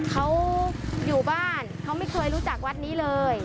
เขาอยู่บ้านเขาไม่เคยรู้จักวัดนี้เลย